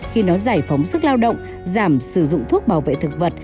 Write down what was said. khi nó giải phóng sức lao động giảm sử dụng thuốc bảo vệ thực vật